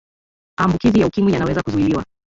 aambukizi ya ukimwi yanaweza kuzuiliwa